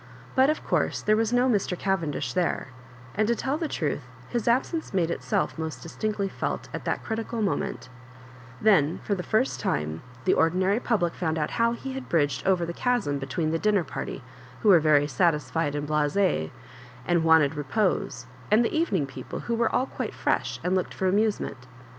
But, of course, there was no Mr. Cavendish there ; and, to tell the truth, his absence made itself most distinctly felt at that critical moment Then, for the first time, the ordinary publio found out how he had bridged over the chasm between the din* ner party — who were satisfied and bkieSet and wanted repose — and the evening people, who were all quite fresh, and looked for amusement.